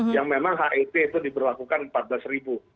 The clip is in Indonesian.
yang memang het itu diberlakukan empat belas ribu